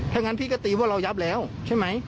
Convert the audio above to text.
ถ้างั้นพี่ก็ตีว่าเรายับแล้วใช่ไหม